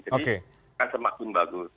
jadi akan semakin bagus